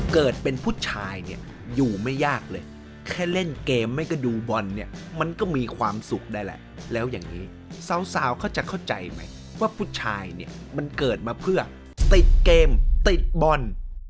เกิดเป็นผู้ชายเนี่ยอยู่ไม่ยากเลยแค่เล่นเกมไม่ก็ดูบอลเนี่ยมันก็มีความสุขได้แหละแล้วอย่างนี้สาวเขาจะเข้าใจไหมว่าผู้ชายเนี่ยมันเกิดมาเพื่อติดเกมติดบอล